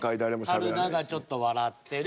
春菜がちょっと笑ってる。